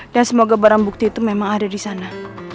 semoga barang bukti itu memang ada di sana